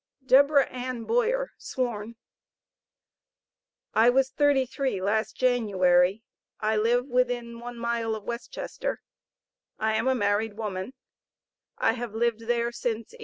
Deborah Ann Boyer, sworn. I was thirty three last January; I live within one mile of West Chester; I am a married woman; I have lived there since 1835.